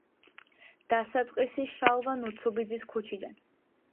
დასაწყისი შალვა ნუცუბიძის ქუჩიდან.